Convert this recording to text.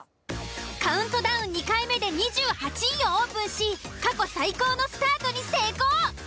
カウントダウン２回目で２８位をオープンし過去最高のスタートに成功。